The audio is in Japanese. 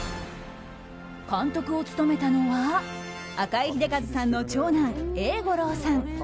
監督を務めたのは赤井英和さんの長男・英五郎さん。